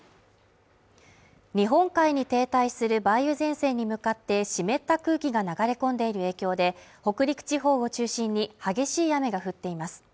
日本海に停滞する梅雨前線に向かって湿った空気が流れ込んでいる影響で北陸地方を中心に激しい雨が降っています。